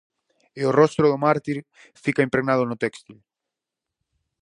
E o rostro do mártir fica impregnado no téxtil.